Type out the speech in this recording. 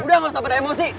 udah gak usah pada emosi